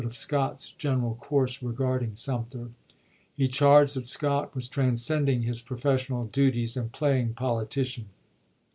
of Scott's general course regarding Sumter. He charged that Scott was transcending his profes sional duties and " playing politician."